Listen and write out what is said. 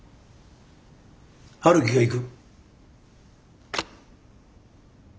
陽樹が行く。